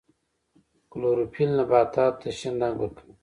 کلوروفیل نباتاتو ته شین رنګ ورکوي